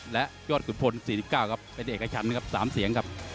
และยอดขุมพล๔๙ครับเป็นเอกชันครับ๓เสียงครับ